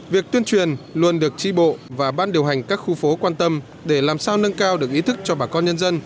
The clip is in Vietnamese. việc tuyên truyền luôn được tri bộ và ban điều hành các khu phố quan tâm để làm sao nâng cao được ý thức cho bà con nhân dân